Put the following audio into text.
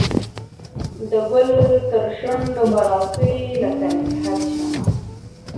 د ګل ترشو نډو به راتوی لکه نګهت شمه